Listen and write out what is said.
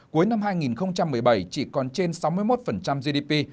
cuối năm hai nghìn một mươi bảy chỉ còn trên sáu mươi một gdp